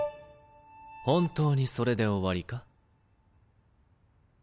本当にそれで終わりか？